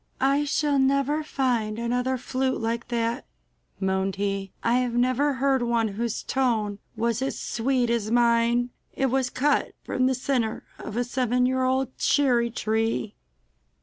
'I shall never find another flute like that, moaned he. 'I have never heard one whose tone was as sweet as mine! It was cut from the centre of a seven year old cherry tree!